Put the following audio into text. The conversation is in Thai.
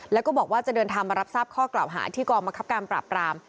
แล้วก็บอกว่าจะเดินทางมารับทราบข้อกล่าวหาที่กองบังคับการปราบราม